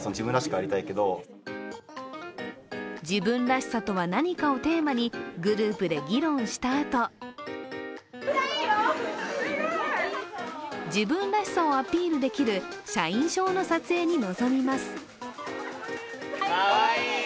「自分しらさとは何か」をテーマにグループで議論したあと自分らしさをアピールできる社員証の撮影に臨みます。